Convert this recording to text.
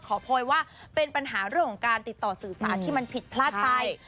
โพยว่าเป็นปัญหาเรื่องของการติดต่อสื่อสารที่มันผิดพลาดไป